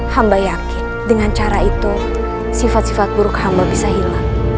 hamba yakin dengan cara itu sifat sifat buruk hama bisa hilang